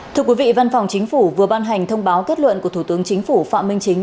thưa quý vị văn phòng chính phủ vừa ban hành thông báo kết luận của thủ tướng chính phủ phạm minh chính